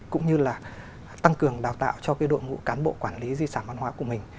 cũng như là tăng cường đào tạo cho cái đội ngũ cán bộ quản lý di sản văn hóa của mình